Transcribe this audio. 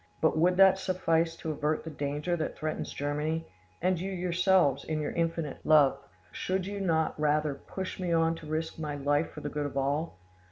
But would that suffice to avert the danger that threatens Germany? And you yourselves, in your infinite lave, should you not rather push me on to risk my life for the good of all?